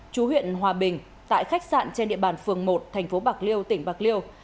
chú huyện hòa bình tại khách sạn trên địa bàn phường một thành phố bạc liêu tỉnh bạc liêu